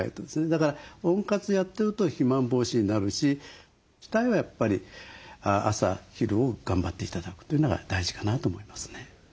だから温活やってると肥満防止になるし主体はやっぱり朝昼を頑張って頂くというのが大事かなと思いますね。